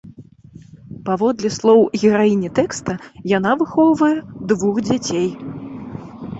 Паводле слоў гераіні тэкста, яна выхоўвае двух дзяцей.